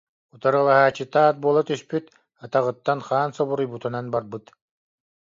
Утарылаһааччыта ат буола түспүт, атаҕыттан хаан субуруйбутунан барбыт